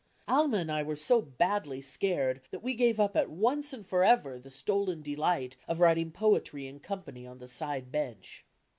Alma and I were so badly scared that we gave up at once and forever the stolen de light of wriung poetry in company on the side bench!